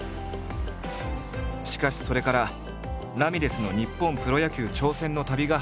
しかしそれからラミレスの日本プロ野球挑戦の旅が始まる。